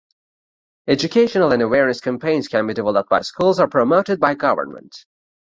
Educational and awareness campaigns can be developed by schools or promoted by government.